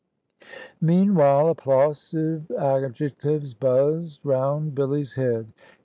Meanwhile applausive adjectives buzzed round Billy's head.